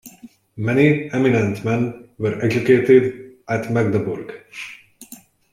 Many eminent men were educated at Magdeburg.